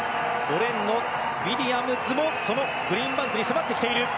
５レーンのウィリアムズもグリーンバンクに迫ってきている。